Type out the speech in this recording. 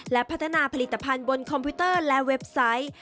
และพัฒนาผลิตภัณฑ์บนคอมพิวเตอร์และเว็บไซต์